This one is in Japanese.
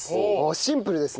シンプルですね。